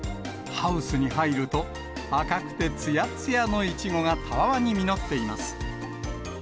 ハウスに入ると、赤くてつやつやのいちごがたわわに実っています。